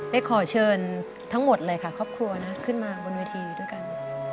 ขอเชิญทั้งหมดเลยค่ะครอบครัวนะขึ้นมาบนเวทีด้วยกัน